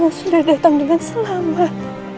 yang sudah datang dengan selamat